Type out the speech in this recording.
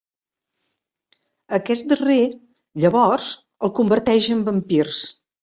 Aquest darrer, llavors, els converteix en vampirs.